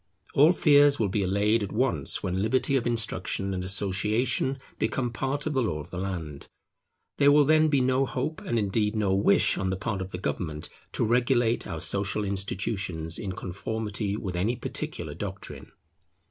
All fears will be allayed at once when liberty of instruction and association becomes part of the law of the land. There will then be no hope, and indeed no wish, on the part of government to regulate our social institutions in conformity with any particular doctrine.